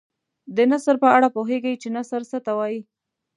د نثر په اړه پوهیږئ چې نثر څه ته وايي.